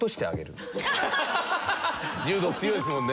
柔道強いですもんね。